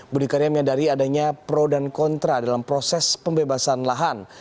budi karya menyadari adanya pro dan kontra dalam proses pembebasan lahan